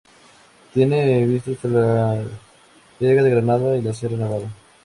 Tiene vistas a la Vega de Granada y Sierra Nevada.